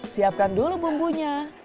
siapkan dulu bumbunya